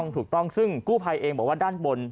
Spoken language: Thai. ถูกต้องซึ่งกู้ภัยเองบอกว่าด้านบน